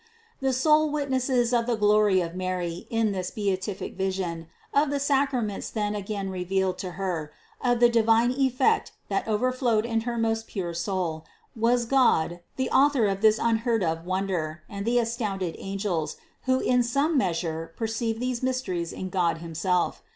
334. The sole witnesses of the glory of Mary in this beatific vision, of the sacraments then again revealed to Her, of the divine effect that overflowed into her most pure soul, was God the Author of this unheard of won der, and the astounded angels, who in some measure per ceived these mysteries in God Himself.